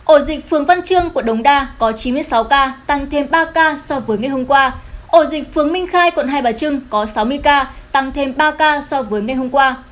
ổ dịch phường minh khai quận hai bà trưng có sáu mươi ca tăng thêm ba ca so với ngày hôm qua